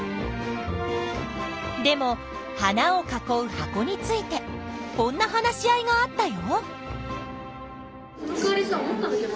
でも花を囲う箱についてこんな話し合いがあったよ。